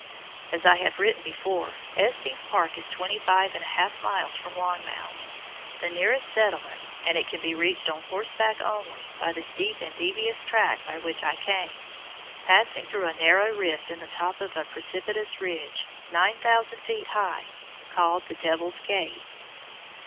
As I have written before, Estes Park is thirty miles from Longmount, the nearest settlement, and it can be reached on horseback only by the steep and devious track by which I came, passing through a narrow rift in the top of a precipitous ridge, 9,000 feet high, called the Devil's Gate.